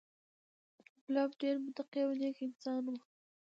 کلاب ډېر متقي او نېک انسان و،